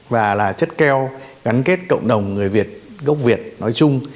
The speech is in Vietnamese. và là chất keo gắn kết cộng đồng người việt gốc việt nói chung